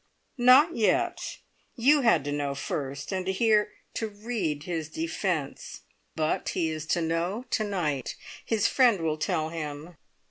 "Not yet. You had to know first, and to hear to read his defence; but he is to know to night. His friend will tell him.